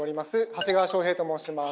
長谷川翔平と申します。